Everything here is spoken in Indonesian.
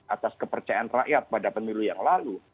atas kepercayaan rakyat pada pemilu yang lalu